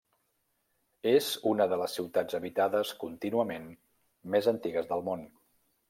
És una de les ciutats habitades contínuament més antigues del món.